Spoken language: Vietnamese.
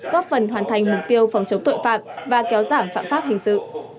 góp phần hoàn thành mục tiêu phòng chống tội phạm và kéo giảm phạm pháp hình sự